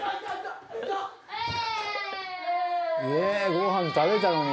「ご飯食べたのに」